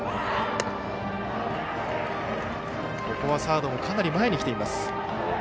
ここはサードもかなり前に来ています。